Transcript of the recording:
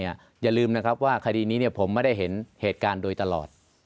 อย่าลืมนะครับว่าคดีนี้ผมไม่ได้เห็นเหตุการณ์โดยตลอด